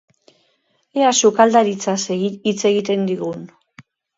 Ea sukaldaritzaz hitz egiten digun!